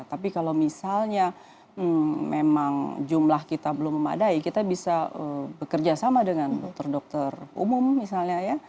tapi kalau misalnya memang jumlah kita belum memadai kita bisa bekerja sama dengan dokter dokter umum misalnya ya